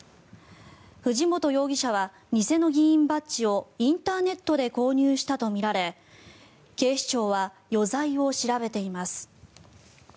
藤本容疑者は偽の議員バッジをインターネットで購入したとみられ警視庁は余罪を調べています。